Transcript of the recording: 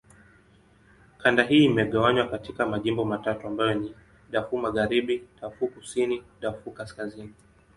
Kanda hii imegawanywa katika majimbo matatu ambayo ni: Darfur Magharibi, Darfur Kusini, Darfur Kaskazini.